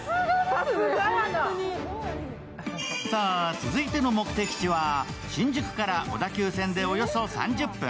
続いての目的地は新宿から小田急線でおよそ３０分。